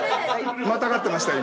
またがってましたよ